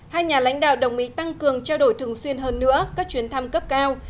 hai nhà lãnh đạo đồng ý tăng cường trao đổi thường xuyên hơn nữa các chuyến thăm cấp cao